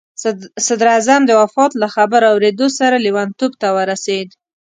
صدراعظم د وفات له خبر اورېدو سره لیونتوب ته ورسېد.